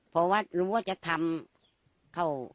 เพราะว่ารู้ว่าจะทำเข้า